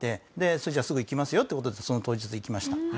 「それじゃあすぐ行きますよ」という事でその当日行きました。